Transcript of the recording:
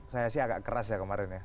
saya sih agak keras ya kemarin ya